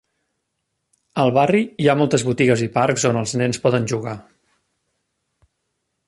Al barri hi ha moltes botigues i parcs on els nens poden jugar...